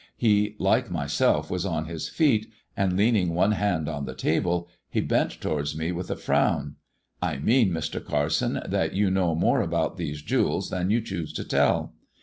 He, like myself, was on his feet, and leaning one hand on the table, he bent towards me with a frown. I mean, Mr. Carson, that you know more about these jewels than you choose to tell.